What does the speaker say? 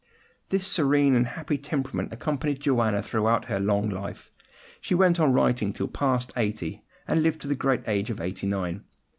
This serene and happy temperament accompanied Joanna throughout her long life. She went on writing till past eighty, and lived to the great age of eighty nine.